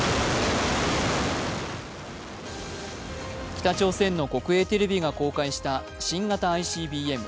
北朝鮮の国営テレビが公開した新型ＩＣＢＭ